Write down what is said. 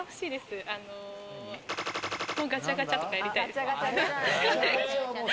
ガチャガチャとかやりたい。